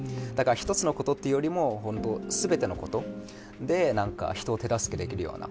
１つのことというよりも全てのことで人を手助けできるような。